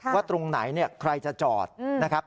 ว่าตรงไหนใครจะจอดนะครับ